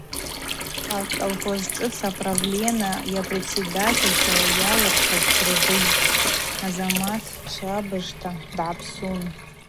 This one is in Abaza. Аколхоз шӏыц аправлена йапредседательта йалырхыз Кырбыджь Азамат швабыжта дгӏапсун.